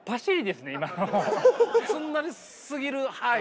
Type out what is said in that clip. すんなりすぎる。